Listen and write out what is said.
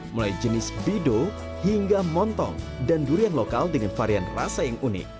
mulai jenis bido hingga montong dan durian lokal dengan varian rasa yang unik